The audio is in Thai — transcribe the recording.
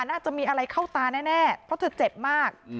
น่าจะมีอะไรเข้าตาแน่เพราะเธอเจ็บมาก